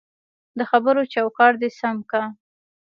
دخبرو چوکاټ دی سم که